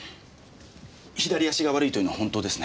左足が悪いというのは本当ですね。